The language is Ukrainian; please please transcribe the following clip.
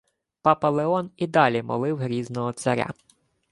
Папа Леон і далі молив грізного царя: